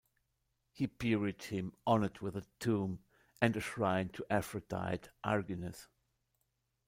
He buried him, honored with a tomb and a shrine to Aphrodite Argynnis.